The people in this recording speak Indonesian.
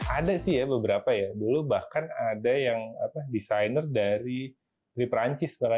ada beberapa dulu bahkan ada yang desainer dari perancis